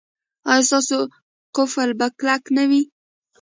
ایا ستاسو قفل به کلک نه وي؟